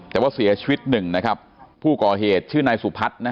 แต่ว่าเสียชีวิตหนึ่งนะครับผู้ก่อเหตุชื่อนายสุพัฒน์นะฮะ